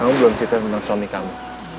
kamu belum cerita tentang suami kamu